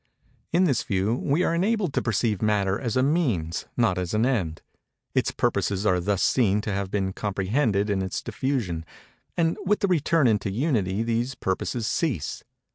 In this view, we are enabled to perceive Matter as a Means—not as an End. Its purposes are thus seen to have been comprehended in its diffusion; and with the return into Unity these purposes cease.